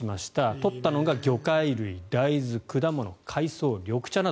取ったのが魚介類、大豆、果物海藻、緑茶など。